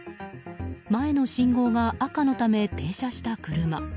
前の信号が赤のため停車した車。